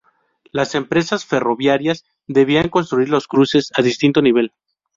Las empresas ferroviarias debían construir los cruces a distinto nivel.